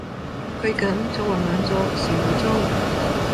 佢咁就玩撚咗成個鐘